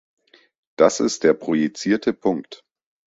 Das ist der projizierte Punkt.